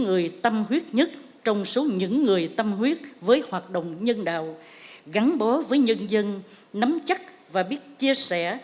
người tâm huyết nhất trong số những người tâm huyết với hoạt động nhân đạo gắn bó với nhân dân nắm chắc và biết chia sẻ